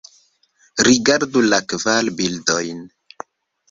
Rigardu la kvar bildojn.